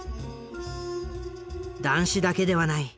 談志だけではない。